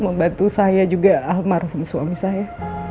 membantu saya juga almarhum suami saya